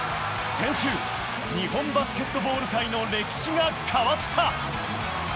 先週、日本バスケットボール界の歴史が変わった。